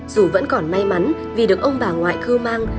dù vẫn còn may mắn vì được ông bà ngoại cư mang